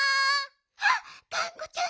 あっがんこちゃん。